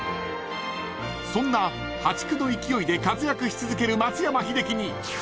［そんな破竹の勢いで活躍し続ける松山英樹に］